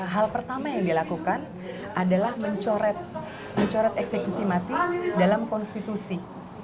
hal pertama yang dilakukan adalah mencoret eksekusi mati dalam konstitusi